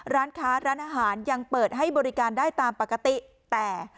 ร้านค้าร้านอาหารยังเปิดให้บริการได้ตามปกติแต่